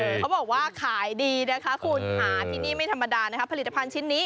เขาบอกว่าขายดีนะคะคุณค่ะที่นี่ไม่ธรรมดานะคะผลิตภัณฑ์ชิ้นนี้